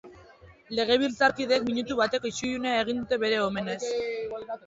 Legebiltzarkideek minutu bateko isilunea egin dute bere omenez.